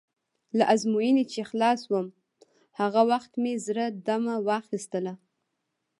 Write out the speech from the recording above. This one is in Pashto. له ازموینې چې خلاص شوم، هغه وخت مې زړه دمه واخیستله.